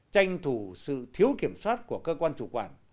tranh thủ sự thiếu kiểm soát của cơ quan chủ quản